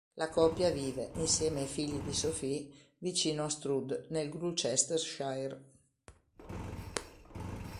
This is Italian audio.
La coppia vive, insieme ai figli di Sophie, vicino a Stroud, nel Gloucestershire.